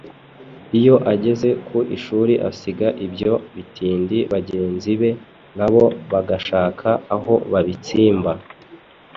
Iyo ageze ku ishuri asiga ibyo bitindi bangezi be na bo bagashaka aho babitsimba.